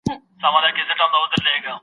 ته به وایې نې خپلوان نه یې سیالان دي